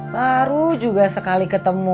baru juga sekali ketemu